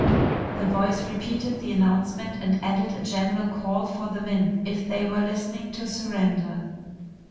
The voice repeated the announcement and added a general call for the men, if they were listening, to surrender.